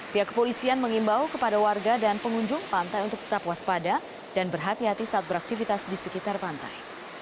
pihak kepolisian mengimbau kepada warga dan pengunjung pantai untuk tetap waspada dan berhati hati saat beraktivitas di sekitar pantai